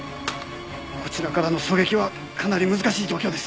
こちらからの狙撃はかなり難しい状況です。